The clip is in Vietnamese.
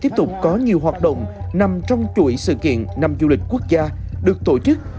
tiếp tục có nhiều hoạt động nằm trong chuỗi sự kiện năm du lịch quốc gia được tổ chức